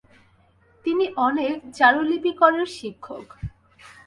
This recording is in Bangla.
তিনি অনেক চারুলিপিকরের শিক্ষক।